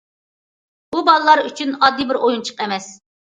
ئۇ بالىلار ئۈچۈن ئاددىي بىر ئويۇنچۇق ئەمەس.